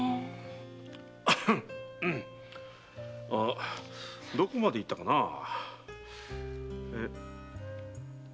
あどこまでいったかなあ？